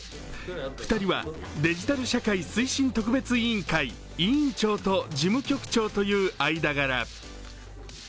２人はデジタル社会推進特別委員会、委員長と事務局長という間柄。